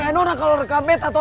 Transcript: eh nona kalau rekam bete toh